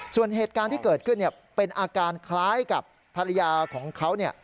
ส่วนเหตุการณ์ที่เกิดขึ้นเป็นอาการคล้ายกับภรรยาของเขา